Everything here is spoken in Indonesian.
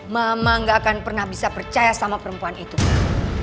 mama gak akan pernah bisa percaya sama perempuan itu mbak